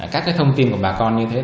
các cái thông tin của bà con như thế